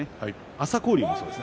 朝紅龍もそうです。